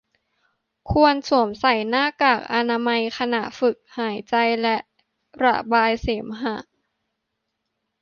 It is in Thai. ควรสวมใส่หน้ากากอนามัยขณะฝึกหายใจและระบายเสมหะ